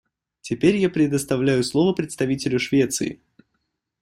Теперь я предоставляю слово представителю Швеции.